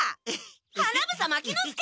花房牧之介！